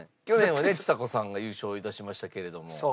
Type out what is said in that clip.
去年はねちさ子さんが優勝致しましたけれども。